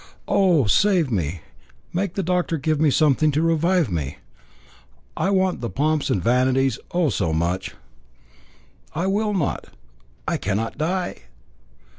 Oh! save me, make the doctor give me something to revive me. I want the pomps and vanities, oh! so much. I will not, I cannot die!"